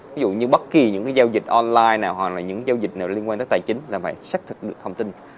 ví dụ như bất kỳ những giao dịch online nào hoặc là những giao dịch nào liên quan tới tài chính là phải xác thực được thông tin